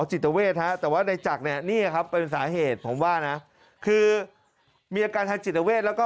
จิตเวทฮะแต่ว่าในจักรเนี่ยนี่ครับเป็นสาเหตุผมว่านะคือมีอาการทางจิตเวทแล้วก็